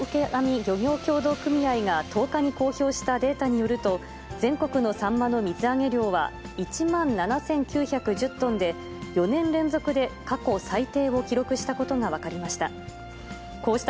漁業協同組合が１０日に公表したデータによると、全国のサンマの水揚げ量は１万７９１０トンで、４年連続で過去最低を記録したことが分かりました。